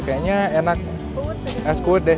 kayaknya enak es kuot deh